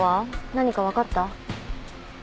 何か分かった？